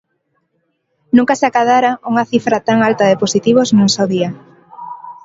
Nunca se acadara unha cifra tan alta de positivos nun só día.